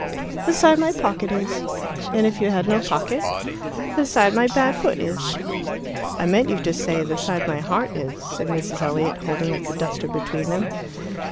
"The side my pocket is." "And if you had no pocket?" "The side my bad foot is." "I meant you to say, 'the side my heart is,'" said Mrs. Elliot, holding up the duster between them.